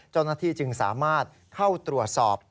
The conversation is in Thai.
เจ้าหน้าที่จึงสามารถเข้าตรวจสอบ